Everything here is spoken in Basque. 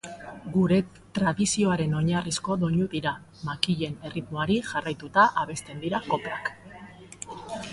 Gure tradizioaren oinarrizko doinu dira, makilen erritmoari jarraituta abesten dira koplak.